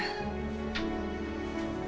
lebih sehat sekarang